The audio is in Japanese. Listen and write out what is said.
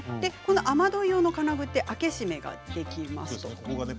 雨どい用の金具は開け閉めができます。